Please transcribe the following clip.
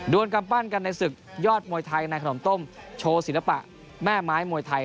กำปั้นกันในศึกยอดมวยไทยในขนมต้มโชว์ศิลปะแม่ไม้มวยไทย